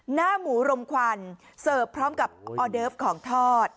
หน้าหมูรมควันเสิร์ฟพร้อมกับออเดิฟของทอด